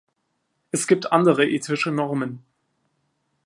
Es gibt andere ethische Normen.